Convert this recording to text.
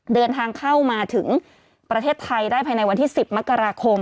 เดินทางเข้ามาถึงประเทศไทยได้ภายในวันที่๑๐มกราคม